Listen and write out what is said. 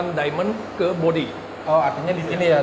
ini adalah perkembangan batang ke tubuh